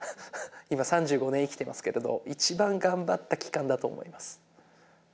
今３５年生きてますけれど一番頑張った期間だと思います。